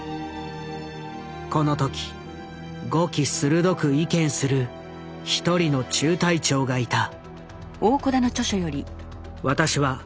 この時語気鋭く意見する一人の中隊長がいた。